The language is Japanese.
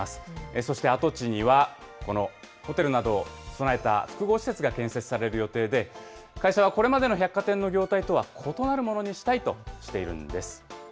そして跡地にはホテルなどを備えた複合施設が建設される予定で、会社はこれまでの百貨店の業態とは異なるものにしたいとしているんです。